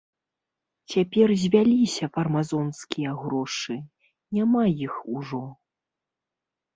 Цяпер звяліся фармазонскія грошы, няма іх ужо.